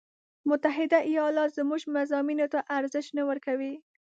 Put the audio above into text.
متحده ایالات زموږ مضامینو ته ارزش نه ورکوي.